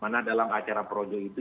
mana dalam acara projo itu